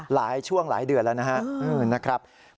หลายช่วงหลายเดือนแล้วนะครับ